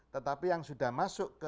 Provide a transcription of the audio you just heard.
tetapi yang sudah masuk ke